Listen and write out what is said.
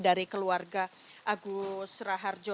dari keluarga agus raharjo